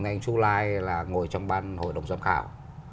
nên anh chu lai là ngồi trong ban hội đồng giám khảo